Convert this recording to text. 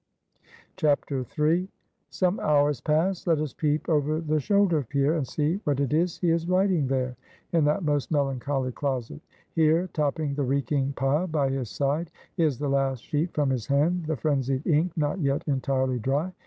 III. Some hours pass. Let us peep over the shoulder of Pierre, and see what it is he is writing there, in that most melancholy closet. Here, topping the reeking pile by his side, is the last sheet from his hand, the frenzied ink not yet entirely dry.